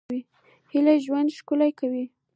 هیلې ژوند ښکلی کوي